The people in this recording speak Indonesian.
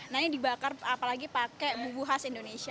nah ini dibakar apalagi pakai bumbu khas indonesia